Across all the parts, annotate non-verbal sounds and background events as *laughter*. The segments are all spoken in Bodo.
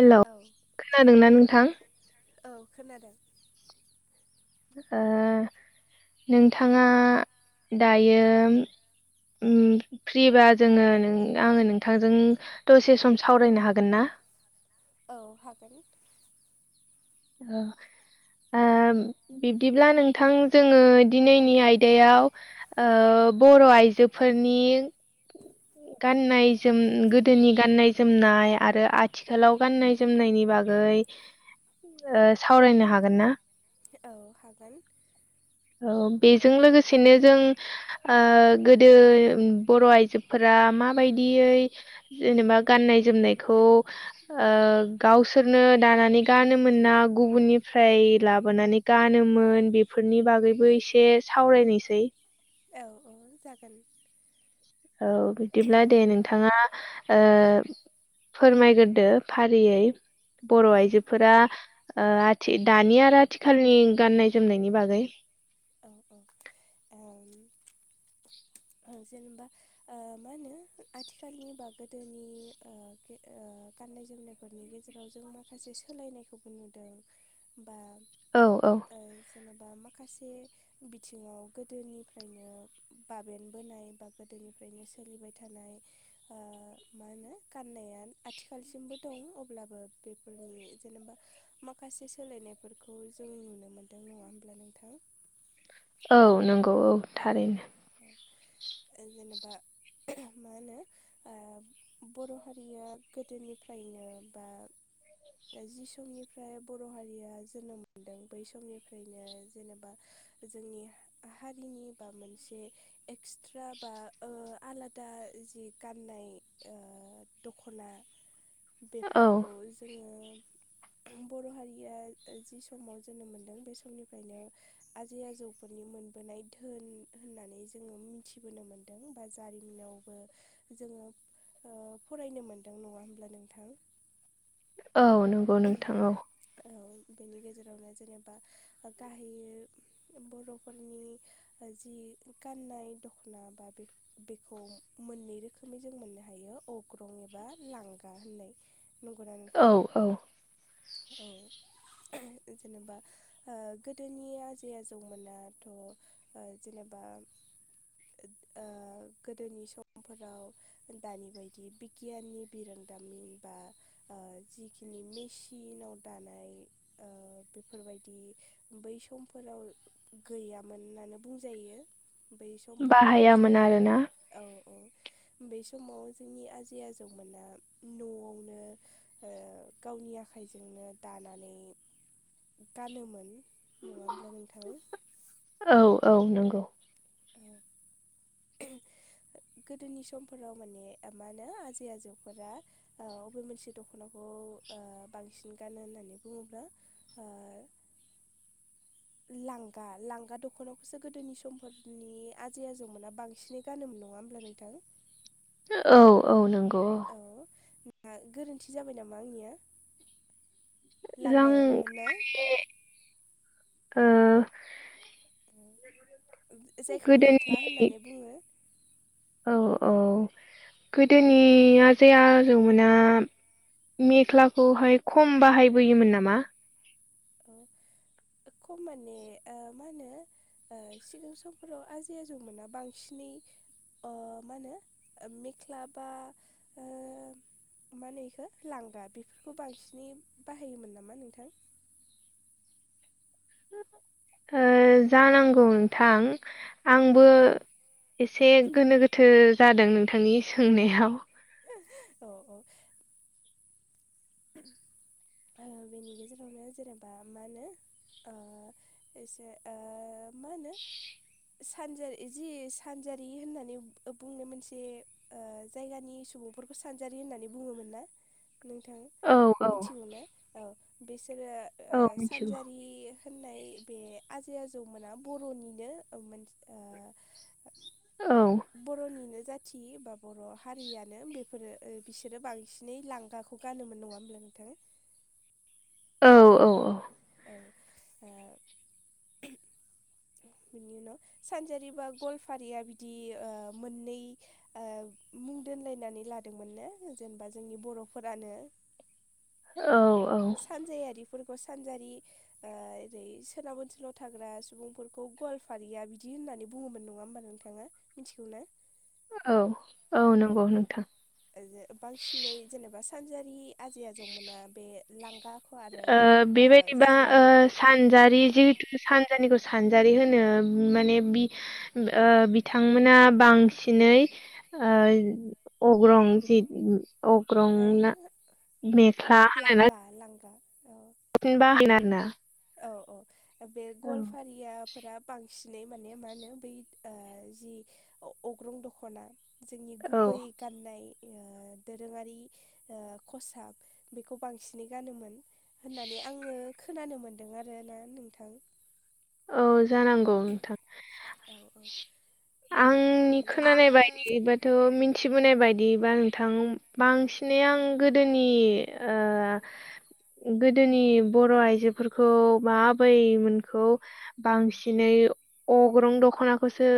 हेल' औ खोनादोंना नोंथां औ खोनादों ओ नोंथाङा दायो फ्रिबा जोङो आङो नोंथांजों दसे सम सावरायनो हागोन ना औ हागोन *inaudible* बिब्दिब्ला नोंथां जोङो दिनैनि आयदायाव बर' आइजोफोरनि गाननाय जोम गोदोनि गाननाय जोमनाय आरो आथिखालाव गाननाय जोमनायनि बागै सावरायनो हागोन ना औ हागोन औ बेजों लोगोसेनो जों गोदो बर' आइजोफोरा माबायदियै जेनेबा गाननाय जोमनायखौ उह गावसोरनो दानानै गानोमोना गुबुननिफ्राय लाबोनानै गानोमोन बेफोरनि बागैबो एसे सावरायनोसै। औ औ जागोन। औ बिदिब्ला दे नोंथाङा उह फोरमायगोरदो फारियै बर' औ आइजो फोरा उह आथि दानि आरो आथिखालनि गाननाय जोमनायनि बागै। औ औ ओम हो जेनोबा उह मा होनो आथिखालनि बा गोदोनि उह गे-उह गाननाय जोमनाय फोरनि गेजेराव जों माखासे सोलायनायखौबो नुदों बा औ औ उह जेनोबा माखासे बिथिङाव गोदोनिफ्रायनो बा भेन्ट बोनाय बा गोदोनिफ्रायनो सोलिबाय थानाय उह मा होनो गाननाया आथिखालसिमबो दं अब्लाबो बेफोरनि जेनोबा माखासे सोलायनायफोरखौ जों नुनो मोन्दों नङा होमब्ला नोंथां? औ नंगौ औ थारैनो। ओं जेनोबा मा होनो उह बर' हारिया गोदोनिफ्रायनो बा दा जि समनिफ्राय बर' हारिया जोनोम मोनदों बै समनिफ्रायनो जेनोबा जोंनि हारिनि बा मोनसे एक्सट्रा बा उह आलादा जि गाननाय उह दख'ना। *inaudible* औ बेफोरखौ जोङो बर' हारिया जि समाव जोनोम मोनदों बे समनिफ्रायनो आजै आजौफोरनि मोनबोनाय धोन होननानै जोङो मिथिबोनो मोन दों बा जारिमिनावबो जोङो उह फरायनो मोनदों नङा होमब्ला नोंथां? औ नोंगौ नोंथां औ। औ बेनि गेजेरावनो जेनेबा गाहायो बर'फोरनि जि गाननाय दख'ना बा बे बेखौ मोननै रोखोमै जों मोननो हायो अग्रं एबा लांगा होननाय नंगौ ना औ नोंथां औ औ जेनेबा ओ गोदोनि आजै आजौमोनाथ' ओ जेनेबा ओ गोदोनि समफोराव दानि बायदि बिगियाननि बिरोंदामिन बा ओ जिखिनि मेचिनाव दानाय ओ बेफोरबायदि बै समफोराव गैयामोन होननानै बुंजायो बै समफोराव जे बाहायामोन आरोना औ औ बे समाव जोंनि आजै आजौमोना न'आवनो ओ गावनि आखाइजोंनो दानानै गानोमोन नङा होमब्ला नोंथां? औ औ नोंगौ औ गोदोनि समफोराव माने मा होनो आजै आजौफोरा औ अबे मोनसे दख'नाखौ उह बांसिन गानो होननानै बुङोब्ला ओ लांगा लांगा दख'नाखौसो गोदोनि समफोरनि आजै आजौमोना बांसिनै गानोमोन नङा होमब्ला नोंथां? औ औ नोंगौ औ औ ना गोरोन्थि जाबाय नामा आंनिया? जों लांगायानोमोन ना? ओ जायखौ मेख्ला गोदोनि होननानै बुङो औ औ औ गोदोनिया आजै आजौमोना मेख्लाखौहाय खम बाहायबोयोमोन नामा? औ खम माने मा होनो सिगां समफोराव आजै आजौमोना बांसिनै मा होनो मेख्ला बा मा होनो बेखौ लांगा बेफोरखौ बांसिनै बाहायोमोन नामा नोंथां? जानांगौ नोंथां औ आंबो एसे गोनो गोथो जादों नोंथांनि सोंनायाव औ औ बेनि गेजेरावनो जेनेबा मा होनो ओ एसे ओ मा होनो सानजारि जि सानजारि होननानै बुंनाय मोनसे जायगानि सुबुंफोरखौ सानजारि होननानै बुङोमोन ना नोंथां? औ औ मिथिगौ ना औ बिसोरो औ मिथिगौ सानजारि होननाय बे आजै आजौमोना बर'निनो मोन औ बर'निनो जाथि बा बर' हारियानो बेफोरो बिसोरो बांसिनै लांगा खौ गानोमोन नङा होनब्ला नोंथां? औ औ औ औ ओ *inaudible* बिनि उनाव सानजारि बा गलफारिया बिदि मोननै मुं दोनलायनानै लादोंमोननो जेनेबा जोंनि बर'फोरानो औ औ सानजायारिफोरखौ सानजारि ओरै सोनाब ओनसोलाव थाग्रा सुबुंफोरखौ गवालफारिया बिदि होननानै बुङोमोन नङा होमबा नोंथाङा? मिथिगौ ना औ औ नंगौ नोंथां बांसिनै जेनेबा सानजारि आजै आजौमोना बे लांगाखौ आरो ओ ओ बेबायदिबा जि सानजारि जिहेतु सानजानिखौ सानजारि होनो माने बि बिथांमोना बांसिनै आ अग्रं अग्रं ओ मेख्ला होना लांगा लांगा औ बाहिन आरो ना औ औ बे गवालफारिया फोर बांसिनै माने मा होनो बै जि अग्रं दख'ना जोंनि औ गुबै गाननाय दोरोङारि खसाब बेखौ बांसिनै गानोमोन होननानै आङो खोनानो मोनदों आरो ना नोंथां औ जानांगौ नोंथां औ औ बेनिफ्रायनो आंनि खोनानाय बायदि जेनेबा ब थ' मिथिबोनाय बायदिबा नोंथां बांसिनै आं गोदोनि गोदोनि बर' आइजोफोरखौ मा आबैमोनखौ बांसिनै अग्रं दख'नाखौसो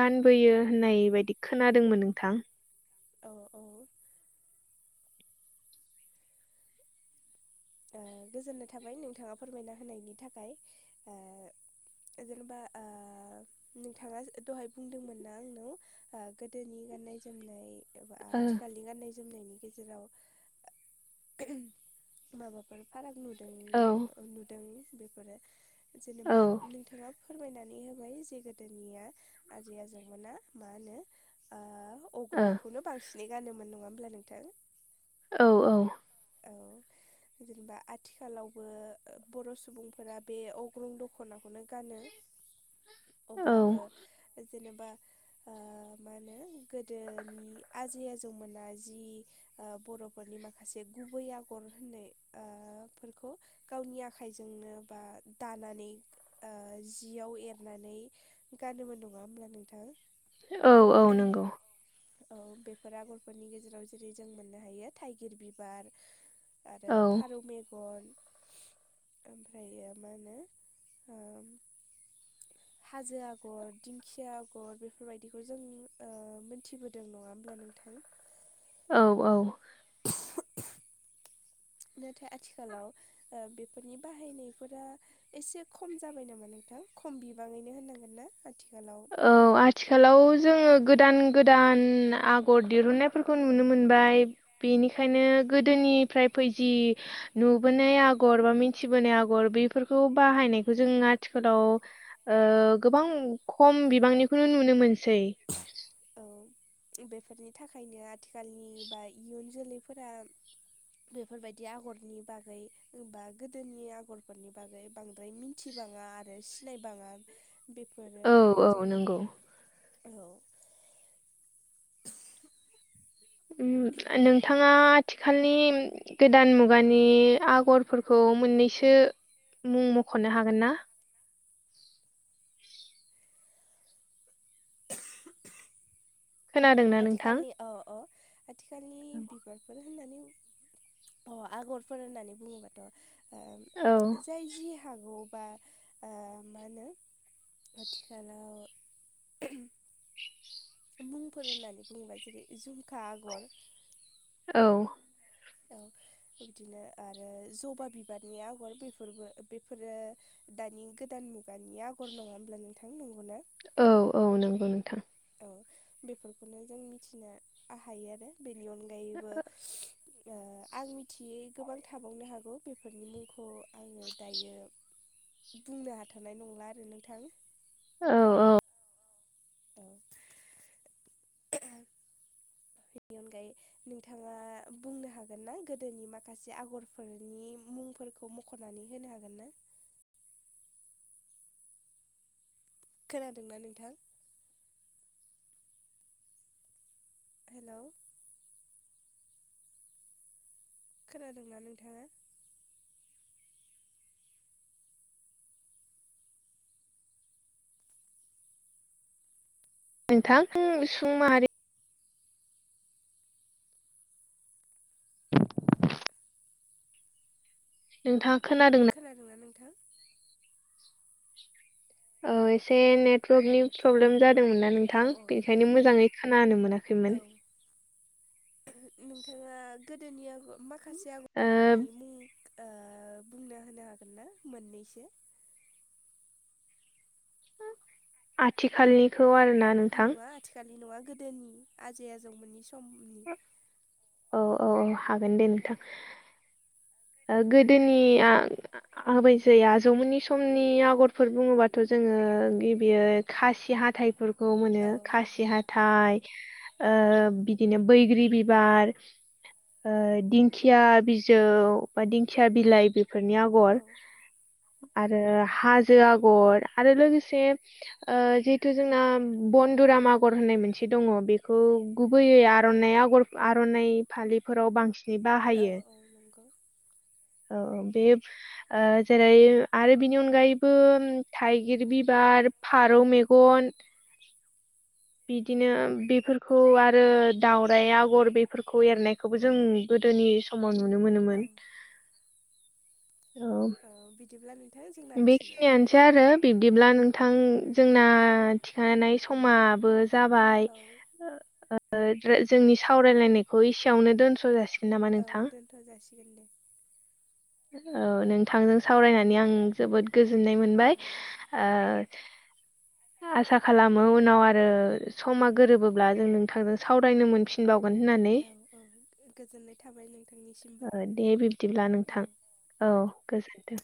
गानबोयो होननाय बायदि खोनादोंमोन नोंथां अ' अ' ओ गोजोन्नाय थाबाय नोंथाङा फोरमायना होनायनि थाखाय ओ जेनेबा ओ नोंथाङा दहाय बुंदोंमोन ना आंनाव ओ गोदोनि गाननाय जोमनाय एबा औ आथिखालनि गाननाय जोमनायनि गेजेराव माबाफोर फाराग नुदों न औ नुदों बेफोरो औ जेनेबा नोंथाङा फोरमायनानै होबाय जे गोदोनिया आजै आजौमोना मा होनो ओ अग्रंखौनो बांसिनै गानोमोन नङा होमब्ला नोंथां औ औ औ जेनेबा आथिखालावबो बर' सुबुंफोरा बे अग्रं दख दख'नाखौनो गानो औ अब्लाबो जेनेबा ओ मा होनो गोदोनि आजै आजौमोना जि ओ बर'फोरनि माखासे गुबै आगर होननाय ओ फोरखौ गावनि आखाइजोंनो बा दानानै ओ जियाव एरनानै गानोमोन नङा होमब्ला नोंथां औ औ नंगौ औ बेफोर आगरफोरनि गेजेराव जेरै जों मोननो हायो थाइगिर बिबार आरो औ फारौ मेगन ओमफ्रायो मा होनो ओ *unintelligible* हाजो आगर दिंखिया आगर बेफोरबायदिखौ जों ओ मोनथिबोदों नङा होमब्ला नोंथां औ औ नाथाय आथिखालाव ओ बेफोरनि बाहायनायफोरा एसे खम जाबाय नामा नोंथां खम बिबाङैनो होननांगोन ना आथिखालाव औ आथिखालाव जोङो गोदान गोदान आगर दिहुननायफोरखौ नुनो मोनबाय बेनिखायनो गोदोनिफ्राय फैजि नुबोनाय आगर बा मिथिबोनाय आगर बेफोरखौ बाहायनायखौ जों आथिखालाव ओ गोबां खम बिबांनिखौनो नुनो मोनसै औ बेफोरनि थाखायनो आथिखालनि बा इयुन जोलैफोरा बेफोरबायदि आगरनि बागै बा गोदोनि आगरफोरनि बागै बांद्राय मिथि थिबाङा आरो सिनायबाङा औ बेफोरोफोरखौ औ जों नंगौ औ *unintelligible* उम नोंथाङा आथिखालनि गोदान मुगानि आगरफोरखौ मोननैसो मुं मख'नो हागोन ना? ओ खोनादोंना नोंथां आथिखालनि औ अ आथिखालनि बिबार बोर होननानै अ आगरफोर होननानै बुङोबाथ' ओ औ जाय जि हागौ बा ओ मा होनो आथिखालाव मुंफोर होननानै बुङोबा जेरै झुमखा आगर औ औ बिब्दिनो आरो जबा बिबारनि आगर बेफोरबो बेफोरो दानि गोदान मुगानि आगर नङा होमब्ला नोंथां नंगौना? औ औ नंगौ नोंथां। औ बेफोरखौनो जों मिथिनो हायो आरो बेनि अनगायैबो ओ आं मिथियै गोबां थाबावनो हागौ बेफोरनि मुंखौ आङो दायो बुंनो हाथ'नाय नंला आरो नोंथां। औ औ। औ बिनि अनगायै नोंथाङा बुंनो हागोन ना गोदोनि माखासे आगरफोरनि मुंफोरखौ मख ख'नानै होनो हागोन ना? खोनादोंना नोंथां? हेलौ खोनादोंना नोंथाङा? नोंथां सुं माहारि नोंथाङा खोनादों ना? खोनादोंना नोंथां? ओ एसे नेट टवर्क प्रब्लेम जादोंमोनना औ नोंथां औ बेनिखायनो मोजाङै खोनानो औ मोनाखैमोन। नोंथाङा गोदोनि आगर माखासे ओ आगरफोरनि मुं ओ बुंना होनो हागोन ना मोननैसो? आथिखालनि औ नङा आथिखालनि नङा गोदोनि आजै आजौमोननि समनि। औ औ हागोन दे औ नोंथां। ओ गोदोनिया आबै जै आजौमोननि समनि आगरफोर बुङोबाथ' जोङो गिबियो खासि हाथायफोरखौ मोनो खासि हाथ खासि थाय ओ बिदिनो बैग्रि बिबार ओ दिंखिया बिजौ बा दिंखिया बिलाइ बेफोरनि हाथाइफोरखौ होनो खासि हाथाइ औ आगर आरो हाजो आगर आरो लोगोसे ओ जिहेथु जोंना बन्दुराम आगर होननाय मोनसे दङ बेखौ गुबैयै आर'नाइ आगर आर'नाइ फालिफोराव बांसिन औ नंगौ। औ बेयो ओ जेरै आरो बिनि अनगायैबो थाइगिर बिबार फारौ मेगन बिदिनो बिफोरखौ आरो दाउराइ आगर बेफोरखौ एरनायखौबो जों गोदोनि समाव नुनो औ मोनोमोन। औ। ओ बिदिब्ला नोंथां जोंना थिनो से आरो बिब्दिब्ला नोंथां जोंना थिखानाय समाबो जाबाय औ ओ जोंनि सावरायनायखौ इसेयावनो दोनथ' जासिग औ दोनथ' जासिगोन दे। औ नोंथांजों सावरायनानै आं जोबोद गोजोननाय मोनबाय ओ आसा खालामो उनाव आरो समा गोरोबोब्ला जों नोंथांजों सावरायनो मोनफिन नबावगोन होननानै मोनबाय औ गोजोननाय थाबाय नोंथांनिसिमबो ओ दे बिब्दिब्ला औ नोंथां औ गोजोन्थों।